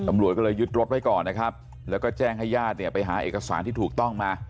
ตำรวจก็เลยยึดรถไว้ก่อนนะครับแล้วก็แจ้งให้ญาติเนี่ยไปหาเอกสารที่ถูกต้องมา